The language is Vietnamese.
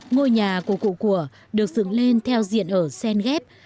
ngôi nhà của cụ của được dựng lên theo diện ở sen ghép